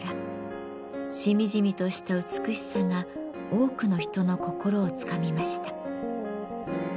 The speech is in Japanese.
しみじみとした美しさが多くの人の心をつかみました。